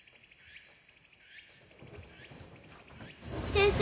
先生？